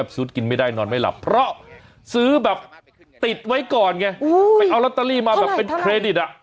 ซื้อแบบติดไว้ก่อนไงไปเอาร็อตเตอรี่มาแบบเป็นเครดิต